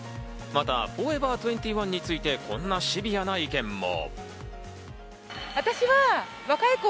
またＦＯＲＥＶＥＲ２１について、こんなシビアな意見も。